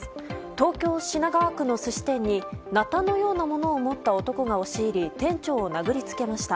東京・品川区の寿司店になたのようなものを持った男が押し入り店長を殴りつけました。